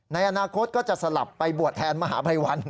ในอนาคตก็จะสลับไปบวชแทนมหาภัยวัน